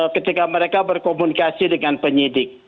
ketika mereka berkomunikasi dengan penyidik